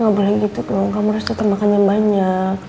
gak boleh gitu dong kamu harus tetap makan yang banyak